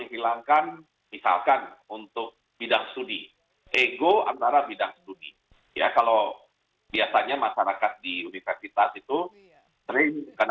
nah yang menariknya di sini adalah yang tadi disebutkan oleh pak bambang